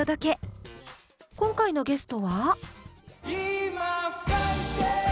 今回のゲストは？